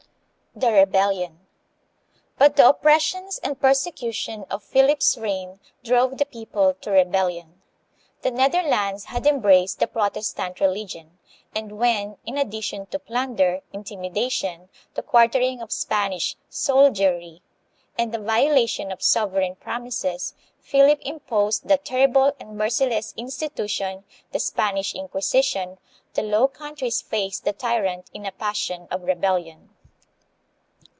The Rebellion. But the oppressions and persecu tions of Philip's reign drove the people to rebellion. The Netherlands had embraced the Protestant religion, and when, in addition to plunder, intimidation, the quartering of Spanish soldiery, and the violation of sovereign prom ises, Philip imposed that terrible and merciless institution, the Spanish Inquisition, the Low Countries faced the ty rant in a passion of rebellion.